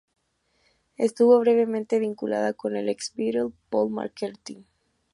Estuvo brevemente vinculada con el ex-beatle Paul McCartney.